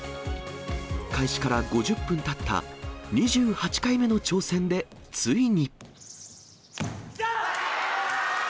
開始から５０分たった２８回目の挑戦で、ついに。